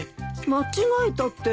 間違えたって。